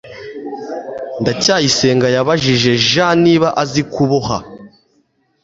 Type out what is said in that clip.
ndacyayisenga yabajije j niba azi kuboha